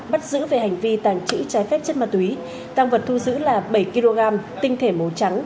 bắt giữ về hành vi tàng trữ trái phép chất ma túy tăng vật thu giữ là bảy kg tinh thể màu trắng